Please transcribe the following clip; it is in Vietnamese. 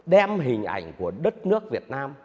đem hình ảnh của đất nước việt nam